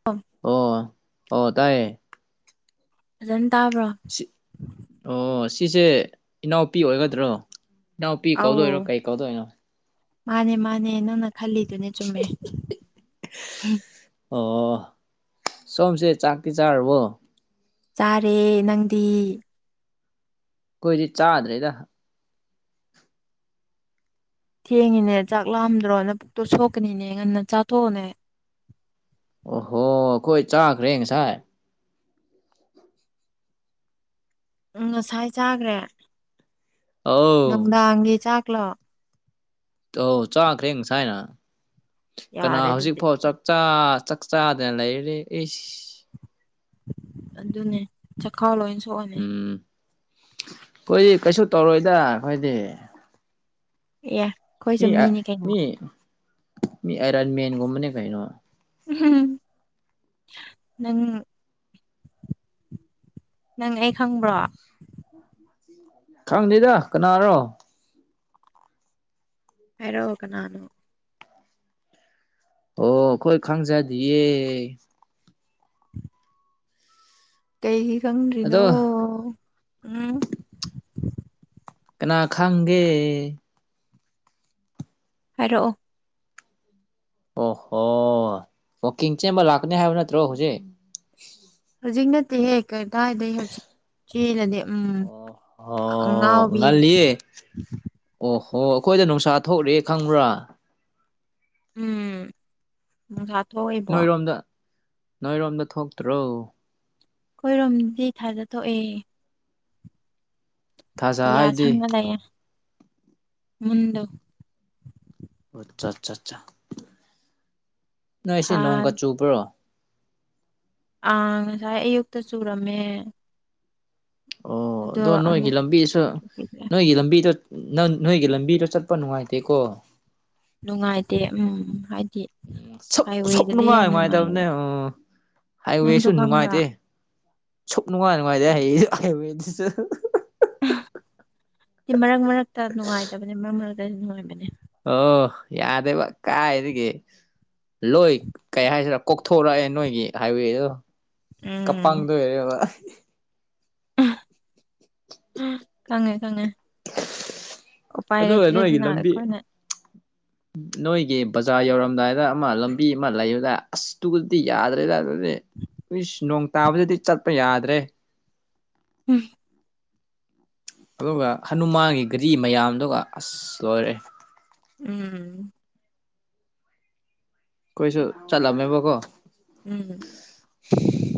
[unintelligible] ꯑꯣ ꯑꯣ ꯇꯥꯏꯌꯦ ꯐꯖꯅ ꯇꯥꯕ꯭ꯔꯣ [unintelligible] ꯑꯣ ꯁꯤꯁꯦ ꯏꯅꯥꯎꯄꯤ ꯑꯣꯏꯒꯗ꯭ꯔꯣ ꯏꯅꯥꯎ ꯄꯤ ꯀꯧꯗꯣꯏꯔꯣ ꯑꯧ ꯀꯩ ꯀꯧꯗꯣꯏꯅꯣ ꯃꯥꯅꯦ ꯃꯥꯅꯦ ꯅꯪꯅ ꯈꯜꯂꯤꯗꯨꯅꯦ ꯆꯨꯝꯃꯦ ꯑꯣ ꯁꯣꯝꯁꯦ ꯆꯥꯛꯇꯤ ꯆꯥꯔꯕꯣ ꯆꯥꯔꯦ ꯅꯪꯗꯤ ꯑꯩꯈꯣꯏꯗꯤ ꯆꯥꯗ꯭ꯔꯤꯗ ꯊꯦꯡꯉꯤꯅꯦ ꯆꯥꯛ ꯂꯥꯑꯝꯗ꯭ꯔꯣ ꯅ ꯄꯨꯛꯇꯣ ꯁꯣꯛꯀꯅꯤꯅꯦ ꯉꯟꯅ ꯆꯥꯊꯣꯛꯑꯣꯅꯦ ꯑꯣꯍꯣ ꯑꯩꯈꯣꯏ ꯆꯥꯈ꯭ꯔꯦ ꯉꯁꯥꯏ ꯎꯝ ꯉꯁꯥꯏ ꯆꯥꯈ꯭ꯔꯦ ꯑꯧ ꯅꯨꯝꯗꯥꯡꯒꯤ ꯆꯥꯛꯂꯣ ꯑꯧ ꯆꯥꯈ꯭ꯔꯦ ꯉꯁꯥꯏꯅ ꯀꯅꯥ ꯌꯥꯔꯦ ꯍꯧꯖꯤꯛ ꯑꯗꯨꯗꯤ ꯐꯥꯎ ꯆꯥꯛ ꯆꯥ ꯆꯥꯛ ꯆꯥꯗꯅ ꯂꯩꯔꯗꯤ ꯏꯁ ꯑꯗꯨꯅꯦ ꯆꯈꯥꯎ ꯂꯣꯏ ꯁꯣꯛꯑꯅꯤ ꯎꯝ ꯑꯩꯈꯣꯏꯗꯤ ꯀꯩꯁꯨ ꯇꯧꯔꯣꯏꯗ ꯑꯩꯈꯣꯏꯗꯤ ꯑꯦ ꯃꯤ ꯑ ꯃꯤꯅꯤ ꯀꯩꯅꯣ ꯃꯤ ꯃꯤ ꯑꯥꯏꯔꯟ ꯃꯦꯟꯒꯨꯝꯕꯅꯦ ꯀꯩꯅꯣ ꯎꯝ [unintelligible] ꯅꯪ ꯅꯪ ꯑꯩ ꯈꯪꯕ꯭ꯔꯣ [unintelligible] ꯈꯪꯗꯦꯗ ꯀꯅꯥꯔꯣ ꯍꯥꯏꯔꯛꯑꯣ ꯀꯅꯥꯅꯣ ꯑꯣ ꯑꯩꯈꯣꯏ ꯈꯪꯖꯗꯤꯌꯦ ꯀꯩꯒꯤ ꯈꯪꯗ꯭ꯔꯤꯅꯣ ꯑꯗꯣ ꯎꯝ ꯀꯅꯥ ꯈꯡꯒꯦ ꯍꯥꯏꯔꯛꯑꯣ ꯑꯣꯍꯣ ꯋꯥꯀꯤꯡ ꯆꯦꯟꯕ ꯂꯥꯛꯀꯅꯤ ꯍꯥꯏꯕ ꯅꯠꯇ꯭ꯔꯣ ꯍꯧꯖꯤꯛ ꯍꯧꯖꯤꯛ ꯅꯠꯇꯦꯍꯦ ꯀꯩꯗꯥꯏꯗꯩ ꯍꯧꯖꯤꯛ ꯆꯦꯜꯂꯗꯤ ꯎꯝ ꯑꯣꯍꯣ ꯑꯉꯥꯎꯕꯤ ꯉꯜꯂꯤꯌꯦ ꯑꯣꯍꯣ ꯑꯩꯈꯣꯏꯗ ꯅꯨꯡꯁꯥ ꯊꯣꯛꯔꯤꯌꯦ ꯈꯪꯕ꯭ꯔꯥ ꯎꯝ [unintelligible] ꯅꯣꯏꯔꯣꯝꯗ ꯅꯣꯏꯔꯣꯝꯗ ꯊꯣꯛꯇ꯭ꯔꯣ ꯑꯩꯈꯣꯏꯔꯣꯝꯗꯤ ꯊꯥꯖ ꯊꯣꯛꯑꯦ ꯊꯥꯖ ꯑꯇꯤꯌꯥ ꯍꯥꯏꯗꯤ ꯁꯪꯉ ꯂꯩꯌꯦ ꯃꯨꯟꯗꯣ ꯑꯣ ꯑꯠꯆꯥ ꯆꯥ ꯆꯥ ꯅꯣꯏꯉꯁꯤ ꯊꯥ ꯅꯣꯡꯒ ꯆꯨꯕ꯭ꯔꯣ ꯑꯥ ꯉꯁꯥꯏ ꯑꯌꯨꯛꯇ ꯆꯨꯔꯝꯃꯦ ꯑꯣ ꯑꯗꯣ ꯅꯣꯏꯒꯤ ꯂꯝꯕꯤꯁꯨ ꯊꯣꯛꯈꯤꯗ꯭ꯔꯦ ꯅꯣꯏꯒꯤ ꯂꯝꯕꯤꯗꯣ ꯅꯪ ꯅꯣꯏꯒꯤ ꯂꯝꯕꯤꯗꯣ ꯆꯠꯄ ꯅꯨꯡꯉꯥꯏꯇꯦꯀꯣ ꯅꯨꯡꯉꯥꯏꯇꯦ ꯎꯝ ꯍꯥꯏꯗꯤ ꯁꯨꯛ ꯁꯨꯛ ꯍꯥꯏꯋꯦꯗꯗꯤ ꯅꯨꯡꯉꯥꯏ ꯌꯥꯝ ꯅꯨꯡꯉꯥꯏꯇꯕꯅꯦ ꯅꯨꯡꯉꯥꯏꯌꯦꯕ ꯑꯣ ꯍꯥꯏꯋꯦꯁꯨ ꯅꯪꯁꯨ ꯈꯪꯕ꯭ꯔꯥ ꯅꯨꯡꯉꯥꯏꯇꯦ ꯁꯨꯛ ꯅꯨꯡꯉꯥꯏ ꯅꯨꯡꯉꯥꯏꯇꯦ [unintelligible] ꯍꯥꯏꯋꯦꯗꯨꯁꯨ [unintelligible] ꯃꯔꯛ ꯃꯔꯛꯇ ꯅꯨꯡꯉꯥꯏꯇꯕꯅꯦ ꯃꯔꯛ ꯃꯔꯛꯇ ꯅꯨꯡꯉꯥꯏꯕꯅꯦ ꯑꯣ ꯌꯥꯗꯦꯕ ꯀꯥꯏꯗꯒꯤ ꯂꯣꯏ ꯀꯩ ꯍꯥꯏꯁꯤꯔꯥ ꯀꯣꯛꯊꯣꯔꯛꯑꯦ ꯅꯣꯏꯒꯤ ꯍꯥꯏꯋꯦꯗꯣ ꯑꯝ [unintelligible] [inaudible] ꯈꯪꯉꯦ ꯈꯪꯉꯦ [unintelligible] ꯎꯄꯥꯏ ꯑꯗꯨ ꯅꯣꯏꯒꯤ ꯂꯩꯇ꯭ꯔꯦꯗꯅ ꯂꯝꯕꯤ ꯑꯩꯈꯣꯏꯅ ꯅꯣꯏꯒꯤ ꯕꯖꯥꯔ ꯌꯧꯔꯝꯗꯥꯏꯗ ꯑꯃ ꯂꯝꯕꯤ ꯑꯃ ꯂꯩꯕꯗꯥꯏ ꯑꯁ ꯇꯨꯗꯤ ꯌꯥꯗ꯭ꯔꯦꯗ ꯔꯦ ꯑꯩꯁ ꯅꯣꯡ ꯇꯥꯕꯗꯗꯤ ꯆꯠꯄ ꯌꯥꯗ꯭ꯔꯦ ꯎꯝ ꯑꯗꯨꯒ ꯍꯅꯨꯃꯥꯟꯒꯤ ꯒꯥꯔꯤ ꯃꯌꯥꯝꯗꯨꯒ ꯑꯁ ꯂꯣꯏꯔꯦ ꯎꯝ ꯑꯩꯈꯣꯏꯁꯨ ꯆꯠꯂꯝꯃꯦꯕꯀꯣ ꯎꯝ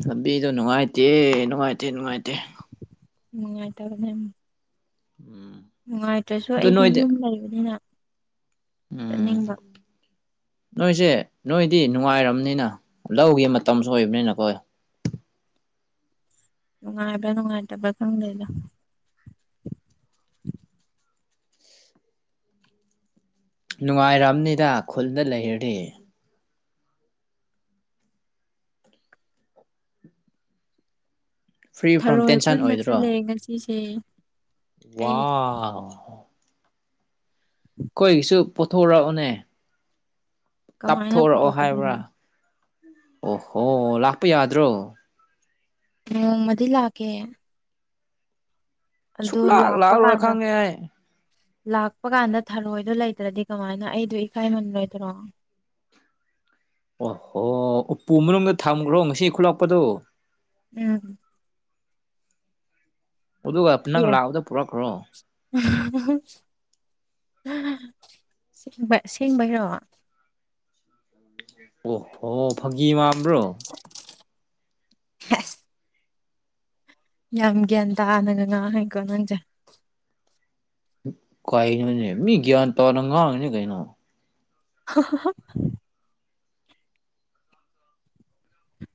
ꯂꯝꯕꯤꯗꯣ ꯅꯨꯡꯉꯥꯏꯇꯦ ꯅꯨꯡꯉꯥꯏꯇꯦ ꯅꯨꯡꯉꯥꯏꯇꯦ ꯅꯨꯡꯉꯥꯏꯇꯕꯅꯦ ꯎꯝ ꯎꯝ ꯅꯨꯡꯉꯥꯏꯇ꯭ꯔꯁꯨ ꯑꯗꯨ ꯑꯩꯗꯤ ꯅꯣꯏꯗꯤ ꯌꯨꯝ ꯂꯩꯕꯅꯤꯅ ꯎꯝ ꯆꯠꯅꯤꯡꯕ ꯅꯣꯏꯁꯦ ꯅꯣꯏꯗꯤ ꯅꯨꯡꯉꯥꯏꯔꯝꯅꯤꯅ ꯂꯧꯒꯤ ꯃꯇꯝꯁꯨ ꯑꯣꯏꯕꯅꯤꯅꯀꯣ ꯅꯨꯡꯉꯥꯏꯕꯔꯥ ꯅꯨꯡꯉꯥꯏꯇꯕꯔꯥ ꯈꯪꯗꯦꯗꯥ ꯅꯨꯡꯉꯥꯏꯔꯝꯅꯤꯗꯥ ꯈꯨꯜꯗ ꯂꯩꯔꯗꯤ ꯐ꯭ꯔꯤ ꯐ꯭ꯔꯣꯝ ꯊꯔꯣꯏ ꯇꯦꯟꯁꯟ ꯈꯨꯟꯕ ꯑꯣꯏꯗ꯭ꯔꯣ ꯆꯠꯂꯦ ꯉꯁꯤꯁꯦ ꯑꯩ ꯋꯥꯎ ꯑꯩꯈꯣꯏꯒꯤꯁꯨ ꯄꯣꯊꯣꯔꯛꯑꯣꯅꯦ ꯀꯃꯥꯏꯅ ꯇꯥꯞꯊꯣꯔꯛꯑꯣ ꯍꯥꯏꯕ꯭ꯔꯥ ꯄꯨꯊꯣꯛꯀꯗꯣꯏꯅꯣ ꯑꯣꯍꯣ ꯂꯥꯛꯄ ꯌꯥꯗ꯭ꯔꯣ ꯅꯣꯡꯃꯗꯤ ꯂꯥꯛꯀꯦ ꯑꯗꯨ ꯁꯨꯛꯂꯥꯛ ꯂꯥꯛꯄ ꯂꯥꯛꯑꯔꯣꯏ ꯀꯥꯟꯗ ꯈꯪꯉꯦ ꯑꯩ ꯂꯥꯛꯄ ꯀꯥꯟꯗ ꯊꯔꯣꯏꯗꯣ ꯂꯩꯇ꯭ꯔꯗꯤ ꯀꯃꯥꯏꯅ ꯑꯩꯗꯣ ꯏꯀꯥꯏ ꯅꯪꯂꯣꯏꯗꯔꯣ ꯑꯣꯍꯣ ꯎꯄꯨ ꯃꯅꯨꯡꯗ ꯊꯝꯈ꯭ꯔꯣ ꯉꯁꯤ ꯈꯨꯜꯂꯛꯄꯗꯣ ꯎꯝ ꯑꯗꯨꯒ ꯅꯪ ꯂꯥꯛꯕꯗ ꯄꯨꯔꯛꯈ꯭ꯔꯣ ꯑꯁꯦꯡꯕ ꯑꯁꯦꯡꯕꯩꯔꯣ ꯑꯣ ꯍꯣ ꯐꯥꯒꯤ ꯃꯥꯟꯕꯔꯣ ꯍ [unintelligible] ꯌꯥꯝ ꯒ꯭ꯌꯥꯟ ꯇꯥꯅꯒ ꯉꯥꯡꯉꯤꯀꯣ ꯅꯪꯁꯦ ꯀꯩꯅꯣꯅꯦ ꯃꯤ ꯒꯌ꯭ꯥꯟ ꯇꯥꯅ ꯉꯥꯡꯉꯤꯅꯦ ꯀꯩꯅꯣ ꯍ [unintelligible]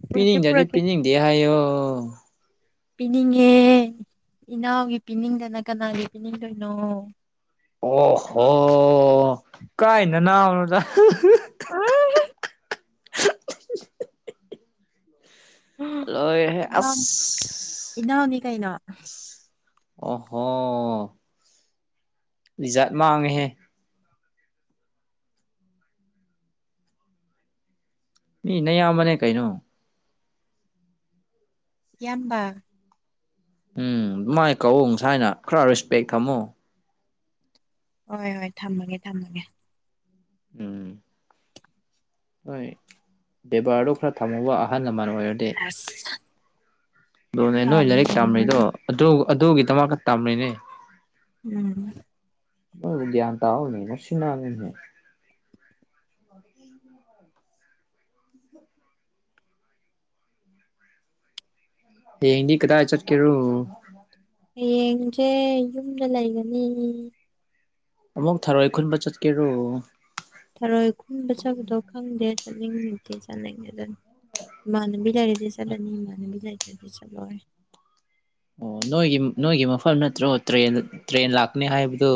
ꯄꯨꯔꯛꯀꯦ ꯄꯤꯅꯤꯡꯗꯗꯤ ꯄꯨꯔꯛꯀꯦ ꯄꯤꯅꯤꯡꯗꯦ ꯍꯥꯏꯌꯣ ꯄꯤꯅꯤꯡꯉꯦ ꯏꯅꯥꯎꯒꯤ ꯄꯤꯅꯤꯡꯗꯅ ꯀꯅꯥꯒꯤ ꯄꯤꯅꯤꯡꯗꯣꯏꯅꯣ ꯑꯣꯍꯣ ꯀꯥꯏ ꯅꯅꯥꯎꯅꯣꯗꯥ ꯑ [unintelligible] ꯂꯣꯏꯔꯦꯍꯦ ꯑꯁ ꯏꯅꯥꯎ ꯏꯅꯥꯎꯅꯤ ꯀꯩꯅꯣ ꯑꯣꯍꯣ ꯏꯖꯠ ꯃꯥꯡꯉꯦꯍꯦ ꯃꯤ ꯅꯌꯥꯝꯕꯅꯦ ꯀꯩꯅꯣ ꯏꯌꯥꯝꯕ ꯎꯝ ꯃꯥꯏ ꯀꯧꯋꯧ ꯉꯁꯥꯏꯅ ꯈꯔ ꯔꯦꯁꯄꯦꯛ ꯊꯝꯃꯣ ꯍꯣꯏ ꯍꯣꯏ ꯊꯝꯃꯒꯦ ꯊꯝꯃꯒꯦ ꯎꯝ ꯍꯣꯏ ꯕꯦꯕꯥꯔꯗꯣ ꯈꯔ ꯊꯝꯃꯨꯕ ꯑꯍꯜ ꯂꯃꯟ ꯑꯣꯏꯔꯗꯤ ꯑꯁ ꯑꯗꯨꯅꯦ ꯅꯣꯏ ꯌꯥꯝ ꯂꯥꯏꯔꯤꯛ ꯇꯝꯔꯤꯗꯣ ꯌꯦꯡꯉꯦꯅꯦ ꯑꯗꯨ ꯑꯗꯨꯒꯤꯗꯃꯛꯇ ꯇꯝꯔꯤꯅꯦ ꯎꯝ ꯅꯣꯏꯕꯨ ꯒꯌ꯭ꯥꯟ ꯇꯥꯑꯣꯅꯦ ꯉꯥꯎꯁꯤꯟꯅꯅꯨꯅꯦ [inaudible] [inaudible] ꯍꯌꯦꯡꯗꯤ ꯀꯗꯥꯏ ꯆꯠꯀꯦꯔꯣ ꯍꯌꯦꯡꯁꯦ ꯌꯨꯝꯗ ꯂꯩꯒꯅꯤ ꯑꯃꯨꯛ ꯊꯥꯔꯣꯏ ꯈꯨꯟꯕ ꯆꯠꯀꯦꯔꯣ ꯊꯔꯣꯏ ꯈꯨꯟꯕ ꯆꯥꯕꯗꯣ ꯈꯪꯗꯦ ꯆꯠꯅꯤꯡꯉꯗꯤ ꯆꯠꯅꯤꯡꯉꯦꯗꯅ ꯏꯃꯥꯟꯅꯕꯤ ꯂꯩꯔꯗꯤ ꯆꯠꯂꯅꯤ ꯏꯃꯥꯟꯅꯕꯤ ꯂꯩꯇ꯭ꯔꯗꯤ ꯆꯠꯂꯣꯏ ꯑꯣ ꯅꯣꯏꯒꯤ ꯅꯣꯏꯒꯤ ꯃꯐꯝ ꯅꯠꯇ꯭ꯔꯣ ꯇ꯭ꯔꯦꯟ ꯇ꯭ꯔꯦꯟ ꯂꯥꯛꯀꯅꯤ ꯍꯥꯏꯕꯗꯨ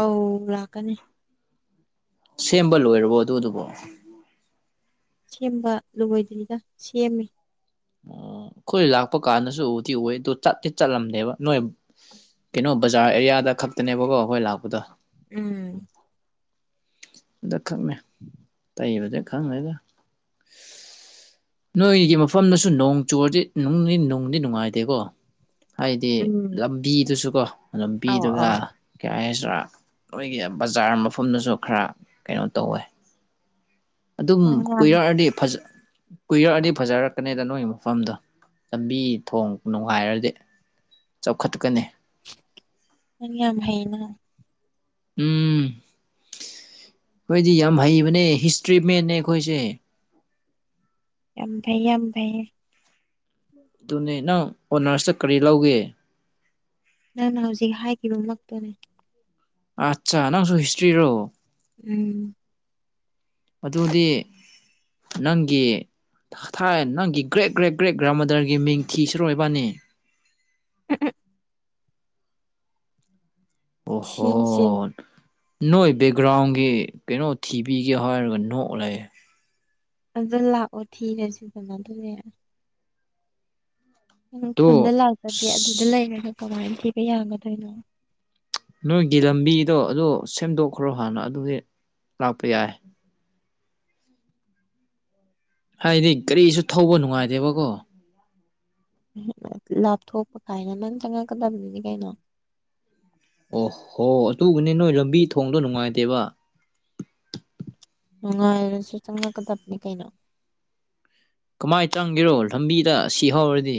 ꯑꯧ ꯂꯥꯛꯀꯅꯤ ꯁꯦꯝꯕ ꯂꯣꯏꯔꯕꯣ ꯑꯗꯨꯗꯨꯕꯣ ꯁꯦꯝꯕ ꯂꯣꯏꯗ꯭ꯔꯤꯗ ꯁꯦꯝꯃꯤ ꯑꯣ ꯑꯩꯈꯣꯏ ꯂꯥꯛꯄ ꯀꯥꯟꯗꯁꯨ ꯎꯗꯤ ꯎꯏ ꯑꯗꯨ ꯆꯠꯇꯤ ꯆꯠꯂꯝꯗꯦꯕ ꯅꯣꯏ ꯀꯩꯅꯣ ꯕꯖꯥꯔ ꯑꯦꯔꯤꯌꯥꯗ ꯈꯛꯇꯅꯦꯕꯀꯣ ꯑꯩꯈꯣꯏ ꯂꯥꯛꯄꯗꯣ ꯎꯝ ꯑꯗ ꯈꯪꯛꯅꯦ ꯇꯩꯕꯨꯗꯤ ꯈꯪꯗꯦꯗ ꯅꯣꯏꯒꯤ ꯃꯐꯝꯗꯁꯨ ꯅꯣꯡ ꯆꯨꯔꯗꯤ ꯅꯨꯡꯗꯤ ꯅꯨꯡꯗꯤ ꯅꯨꯡꯉꯥꯏꯇꯦꯀꯣ ꯍꯥꯏꯗꯤ ꯎꯝ ꯂꯝꯕꯤꯗꯨꯁꯨꯀꯣ ꯑꯧ ꯂꯝꯕꯤꯗꯨꯒ ꯑꯧ ꯀꯩ ꯍꯥꯏꯁꯤꯔꯥ ꯑꯣꯏꯒꯤ ꯕꯖꯥꯔ ꯃꯐꯝꯗꯨꯁꯨ ꯈꯔ ꯀꯩꯅꯣ ꯇꯧꯋꯦ ꯑꯗꯨꯝ ꯅꯪ ꯌꯥꯝ ꯀꯨꯏꯔꯛꯑꯗꯤ ꯐꯖ ꯀꯨꯏꯔꯛꯑꯗꯤ ꯐꯖꯔꯛꯀꯅꯤꯗ ꯅꯣꯏꯒꯤ ꯃꯐꯝꯗꯣ ꯂꯝꯕꯤ ꯊꯣꯡ ꯅꯨꯡꯉꯥꯏꯔꯗꯤ ꯆꯥꯎꯈꯠꯀꯅꯤ ꯅꯪ ꯌꯥꯝ ꯍꯩꯅ ꯎꯝ ꯑꯩꯈꯣꯏꯗꯤ ꯌꯥꯝ ꯍꯩꯕꯅꯦ ꯍꯤꯁꯇ꯭ꯔꯤ ꯃꯦꯟꯅꯦ ꯑꯩꯈꯣꯏꯁꯦ ꯌꯥꯝ ꯐꯩ ꯌꯥꯝ ꯐꯩꯌꯦ ꯑꯗꯨꯅꯦ ꯅꯪ ꯑꯣꯅꯔꯁꯇ ꯀꯔꯤ ꯂꯧꯒꯦ ꯅꯪꯅ ꯍꯧꯖꯤꯛ ꯍꯥꯏꯈꯤꯕꯃꯛꯇꯨꯅꯦ ꯑꯆꯥ ꯅꯪꯁꯨ ꯍꯤꯁꯇ꯭ꯔꯤꯔꯣ ꯎꯝ ꯑꯗꯨꯗꯤ ꯅꯪꯒꯤ ꯊꯥ ꯊꯥꯏ ꯅꯪꯒꯤ ꯒ꯭ꯔꯦꯠ ꯒ꯭ꯔꯦꯠ ꯒ꯭ꯔꯦꯠ ꯒ꯭ꯔꯥꯃꯥꯗꯔꯒꯤ ꯃꯤꯡ ꯊꯤꯁꯤꯔꯣ ꯏꯕꯥꯅꯤ [unintelligible] ꯑꯣ ꯍꯣ ꯊꯤꯁꯦ ꯅꯣꯏ ꯕꯦꯛꯒ꯭ꯔꯥꯎꯟꯒꯤ ꯀꯩꯅꯣ ꯊꯤꯕꯤꯒꯦ ꯍꯥꯏꯔꯒ ꯅꯣꯛ ꯂꯩ ꯑꯗ ꯂꯥꯛꯑꯣ ꯊꯤꯔꯁꯤꯗꯅ ꯑꯗꯨꯅꯦ ꯎꯝ ꯈꯨꯟꯗ ꯑꯗꯣ ꯂꯥꯛꯇ꯭ꯔꯗꯤ ꯑꯗꯨꯗ ꯑꯁ ꯂꯩꯔꯒ ꯀꯃꯥꯏꯅ ꯊꯤꯕ ꯌꯥꯒꯗꯣꯏꯅꯣ ꯅꯣꯏꯒꯤ ꯂꯝꯕꯤꯗꯣ ꯑꯗꯣ ꯁꯦꯝꯗꯣꯛꯈ꯭ꯔꯣ ꯍꯥꯟꯅ ꯑꯗꯨꯗꯤ ꯂꯥꯛꯄ ꯌꯥꯏ ꯍꯥꯏꯗꯤ ꯒꯔꯤꯁꯨ ꯊꯧꯕ ꯅꯨꯡꯉꯥꯏꯇꯦꯕꯀꯣ [unintelligible] ꯂꯥꯞꯊꯣꯛꯄ ꯀꯥꯏꯅ ꯅꯪ ꯆꯪꯉꯛꯀꯗꯕꯗꯨꯗꯤ ꯀꯩꯅꯣ ꯑꯣꯍꯣ ꯑꯗꯨꯕꯨꯅꯦ ꯅꯣꯏ ꯂꯝꯕꯤ ꯊꯣꯡꯗꯣ ꯅꯨꯡꯉꯥꯏꯇꯦꯕ ꯅꯨꯡꯉꯥꯏꯔꯁꯨ ꯆꯪꯉꯛꯀꯗꯕꯅꯤ ꯀꯩꯅꯣ ꯀꯃꯥꯏꯟ ꯆꯪꯒꯦꯔꯣ ꯂꯝꯕꯤꯗ ꯁꯤꯍꯧꯔꯗꯤ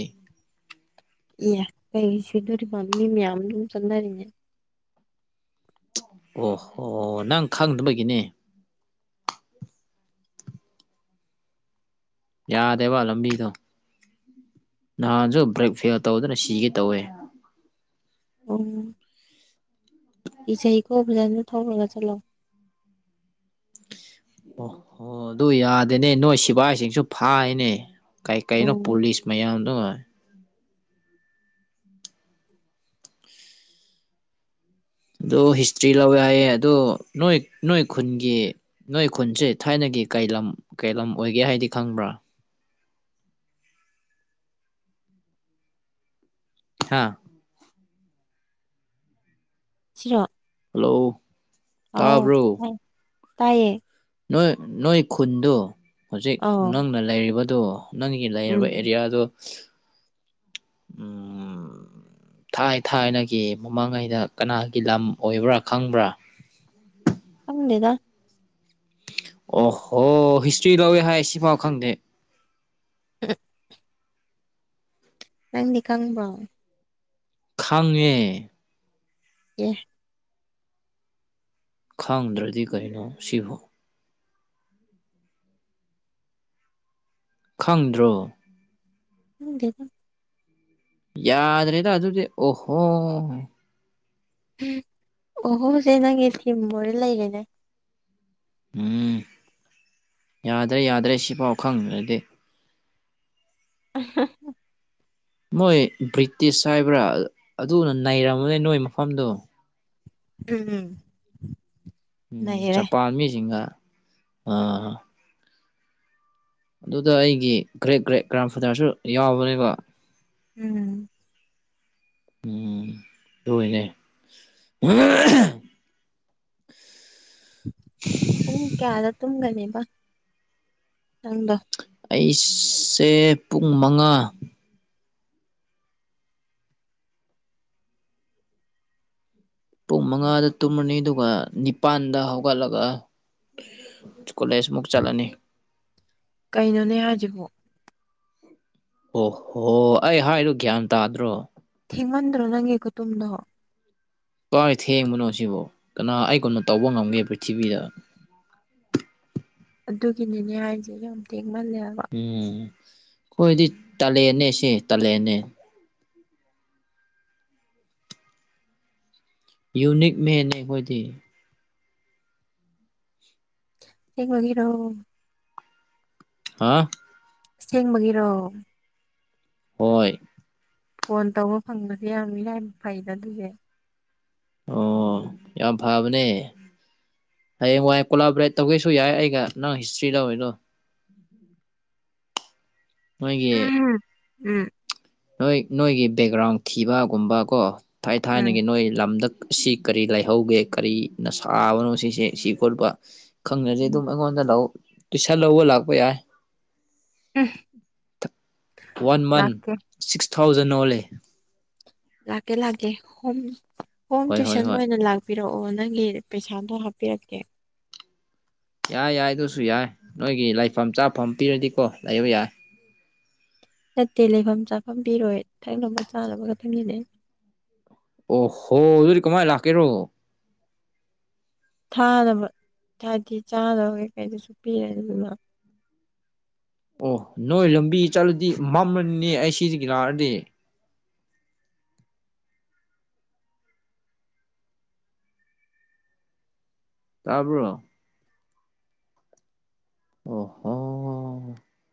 ꯑꯦ ꯀꯩꯒꯤ ꯁꯤꯗꯣꯔꯤꯕ ꯃꯤ ꯃꯌꯥꯝꯁꯨ ꯆꯠꯅꯔꯤꯅꯦ ꯑꯣ ꯍꯣ ꯅꯪ ꯈꯪꯗꯕꯒꯤꯅꯦ ꯌꯥꯗꯦꯕ ꯂꯝꯕꯤꯗꯣ ꯅꯍꯥꯟꯁꯨ ꯕ꯭ꯔꯦꯛ ꯐꯦꯜ ꯇꯧꯗꯅ ꯁꯤꯒꯦ ꯇꯧꯋꯦ ꯑꯣ ꯀꯤꯖꯩꯀꯣ ꯐꯖꯅ ꯊꯧꯔꯒ ꯆꯠꯂꯣ ꯑꯣ ꯍꯣ ꯑꯗꯨ ꯌꯥꯗꯦꯅꯦ ꯅꯣꯏ ꯁꯤꯕꯥꯥꯏꯁꯤꯡꯁꯨ ꯐꯥꯏꯅꯦ ꯀꯩ ꯀꯩꯅꯣ ꯎꯝ ꯄꯨꯂꯤꯁ ꯃꯌꯥꯝꯗꯣ ꯑꯗꯣ ꯍꯤꯁꯇ꯭ꯔꯤ ꯂꯧꯋꯦ ꯍꯥꯏꯌꯦ ꯑꯗꯣ ꯅꯣꯏ ꯅꯣꯏ ꯈꯨꯟꯒꯤ ꯅꯣꯏ ꯈꯨꯟꯁꯦ ꯊꯥꯏꯅꯒꯤ ꯀꯩ ꯂꯝ ꯀꯩ ꯂꯝ ꯑꯣꯏꯒꯦ ꯍꯥꯏꯗꯤ ꯈꯪꯕ꯭ꯔꯥ ꯍꯥꯥ ꯁꯤꯔꯣ ꯍꯜꯂꯣ ꯑꯥꯎ ꯇꯥꯕ꯭ꯔꯣ [unintelligible] ꯇꯥꯏꯌꯦ ꯅꯣꯏ ꯅꯣꯏ ꯈꯨꯟꯗꯨ ꯍꯧꯖꯤꯛ ꯑꯥꯎ ꯅꯪꯅ ꯂꯩꯔꯤꯕꯗꯨ ꯅꯪꯒꯤ ꯂꯩꯔꯕ ꯎꯝ ꯑꯦꯔꯤꯌꯥꯗꯣ ꯎꯝ ꯊꯥꯏ ꯊꯥꯏꯅꯒꯤ ꯃꯃꯥꯡꯉꯩꯗ ꯀꯅꯥꯒꯤ ꯂꯝ ꯑꯣꯏꯕ꯭ꯔꯥ ꯈꯪꯕ꯭ꯔꯥ ꯈꯪꯗꯦꯗ ꯑꯣꯍꯣ ꯍꯤꯁꯇ꯭ꯔꯤ ꯂꯧꯋꯦ ꯍꯥꯏ ꯁꯤꯐꯥꯎ ꯈꯪꯗꯦ ꯍꯨꯝ ꯅꯪꯗꯤ ꯈꯪꯕ꯭ꯔꯣ ꯈꯪꯉꯦ ꯌꯦ ꯈꯪꯗ꯭ꯔꯗꯤ ꯀꯩꯅꯣ ꯁꯤꯕꯣ ꯈꯪꯗ꯭ꯔꯣ ꯈꯪꯗꯦꯗ ꯌꯥꯗ꯭ꯔꯦꯗ ꯑꯗꯨꯗꯤ ꯑꯣꯍꯣ ꯎꯝ ꯑꯣꯍꯣꯁꯦ ꯅꯪꯒꯤ ꯊꯤꯝ ꯃꯣꯔ ꯂꯩꯔꯦꯅꯦ ꯎꯝ ꯌꯥꯗ꯭ꯔꯦ ꯌꯥꯗ꯭ꯔꯦ ꯁꯤꯐꯥꯎ ꯈꯪꯗ꯭ꯔꯗꯤ ꯑꯍꯥ ꯃꯣꯏ ꯕ꯭ꯔꯤꯇꯤꯁ ꯍꯥꯏꯕ꯭ꯔꯥ ꯑꯗꯨꯅ ꯅꯩꯔꯝꯕꯗꯩ ꯅꯣꯏ ꯃꯐꯝꯗꯣ ꯎꯝ ꯂꯩꯔꯦ ꯖꯄꯥꯟ ꯃꯤꯁꯤꯡꯅ ꯑꯥ ꯑꯗꯨꯗ ꯑꯩꯒꯤ ꯒ꯭ꯔꯦꯠ ꯒ꯭ꯔꯦꯠ ꯒ꯭ꯔꯥꯝ ꯐꯥꯗ꯭ꯔꯁꯨ ꯌꯥꯎꯕꯅꯦꯕ ꯎꯝ ꯎꯝ ꯂꯣꯏꯔꯦ ꯄꯨꯡ ꯀꯌꯥꯗ ꯇꯨꯝꯒꯅꯦꯕ ꯅꯪꯗꯣ ꯑꯩꯁꯦ ꯄꯨꯡ ꯃꯪꯉꯥ ꯄꯨꯡ ꯃꯪꯉꯥꯗ ꯇꯨꯝꯃꯅꯤ ꯑꯗꯨꯒ ꯅꯤꯄꯥꯥꯟꯗ ꯍꯧꯒꯠꯂꯒ ꯀꯣꯂꯦꯖꯃꯨꯛ ꯆꯠꯂꯅꯤ ꯀꯩꯅꯣꯅꯦ ꯍꯥꯏꯁꯤꯕꯣ ꯑꯣꯍꯣ ꯑꯩ ꯍꯥꯏꯗꫭ ꯒ꯭ꯌꯥꯟ ꯇꯥꯗ꯭ꯔꯣ ꯊꯦꯡꯃꯟꯗ꯭ꯔꯣ ꯅꯪꯒꯤ ꯈꯨꯇꯨꯝꯗꯣ ꯀꯥꯏ ꯊꯦꯡꯕꯅꯣ ꯁꯤꯕꯣ ꯀꯅꯥ ꯑꯩ ꯀꯣꯟꯅ ꯇꯧꯕ ꯉꯝꯒꯦ ꯄ꯭ꯔꯤꯊꯤꯕꯤꯗ ꯑꯗꯨꯒꯤꯅꯤꯅꯦ ꯍꯥꯏꯁꯦ ꯌꯥꯝ ꯊꯦꯡꯃꯜꯂꯦ ꯍꯥꯏꯕ ꯎꯝ ꯑꯩꯈꯣꯏꯗꯤ ꯇꯥꯂꯦꯅꯦ ꯁꯤ ꯇꯥꯂꯦꯅꯦ ꯌꯨꯅꯤꯛ ꯃꯦꯟꯅꯦ ꯑꯩꯈꯣꯏꯗꯤ ꯑꯁꯦꯡꯕꯒꯤꯔꫭ ꯍꯥꯥ ꯑꯁꯦꯡꯕꯒꯤꯔꯣ ꯍꯣꯏ ꯐꯣꯟ ꯇꯧꯕ ꯐꯪꯕꯗꯤ ꯌꯥꯝꯅ ꯏꯔꯥꯏꯕꯛ ꯐꯩꯗ ꯑꯗꯨꯒꯤ ꯑꯣ ꯌꯥꯝ ꯐꯕꯅꯦ ꯍꯌꯦꯡꯋꯥꯏ ꯀꯣꯂꯥꯕꯣꯔꯦꯠ ꯇꯧꯒꯦꯁꯨ ꯌꯥꯏ ꯑꯩꯒ ꯅꯪ ꯍꯤꯁꯇ꯭ꯔꯤ ꯂꯧꯔꯤꯗꯣ ꯅꫭꯏꯒꯤ ꯎꯝ ꯎꯝ ꯅꯣꯏ ꯅꯣꯏꯒꯤ ꯕꯦꯛꯒ꯭ꯔꯥꯎꯟ ꯊꯤꯕꯒꯨꯝꯕ ꯀꯣ ꯊꯥꯏ ꯎꯝ ꯊꯥꯏꯅꯒꯤ ꯅꯣꯏ ꯂꯝꯗ ꯁꯤ ꯀꯔꯤ ꯂꯩꯥꯏꯍꯧꯒꯦ ꯀꯔꯤꯅ ꯁꯥꯕꯅꯣ ꯁꯤꯁꯦ ꯁꯤ ꯈꯣꯠꯄ ꯈꯪꯗꯔꯗꯤ ꯎꯝ ꯑꯗꯨꯝ ꯑꯩꯉꯣꯟꯗ ꯂꯥꯛꯑꫭ ꯇꯨꯁꯟ ꯂꯧꯕ ꯂꯥꯛꯄ ꯌꯥꯏ ꯎꯝ ꯋꯥꯟ ꯃꯟ ꯂꯥꯛꯀꯦ ꯁꯤꯛꯁ ꯊꯥꯎꯖꯟ ꯑꯣꯡꯂꯤ ꯂꯥꯛꯀꯦ ꯂꯥꯛꯀꯦ ꯍꯣꯝ ꯍꯣꯏ ꯍꯣꯏ ꯍꫭꯝꯇꯌꯨꯁꯟ ꯍꯣꯏ ꯑꯣꯏꯅ ꯂꯥꯛ ꯄꯤꯔꯛꯑꯣ ꯅꯪꯒꯤ ꯄꯩꯁꯥꯗꯣ ꯍꯥꯞꯄꯤꯔꯛꯀꯦ ꯌꯥꯏ ꯌꯥꯏ ꯑꯗꯨꯁꯨ ꯌꯥꯏ ꯅꯣꯏꯒꯤ ꯂꯩꯐꯝ ꯆꯥꯐꯝ ꯄꯤꯔꯗꯤꯀꯣ ꯂꯩꯕ ꯌꯥꯏ ꯅꯠꯇꯦ ꯂꯩꯐꯝ ꯆꯥꯐꯝ ꯄꯤꯔꯣꯏ ꯊꯛꯅꯕ ꯆꯥꯅꯕ ꯈꯛꯇꯪꯒꯤꯅꯦ ꯑꯣꯍꯣ ꯑꯗꯨꯗꯤ ꯀꯃꯥꯏ ꯂꯥꯛꯀꯦꯔꯣ ꯊꯥꯅꯕ ꯍꯥꯏꯗꯤ ꯆꯥꯅꯕ ꯀꯩꯀꯩꯗꯨꯁꯨ ꯄꯤꯔꯅꯤ ꯑꯗꯨꯅ ꯑꯣ ꯅꯣꯏ ꯂꯝꯕꯤ ꯆꯠꯂꯗꯤ ꯃꯝꯃꯅꯤꯅꯦ ꯑꯩ ꯁꯤꯖꯤꯒꯤ ꯂꯥꯛꯑꯗꯤ ꯇꯥꯕ꯭ꯔꯣ ꯑꯣ ꯍꯣ